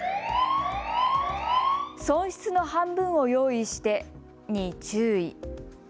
損失の半分を用意してに注意。